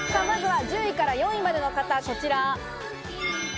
まずは１０位から４位までの方こちら。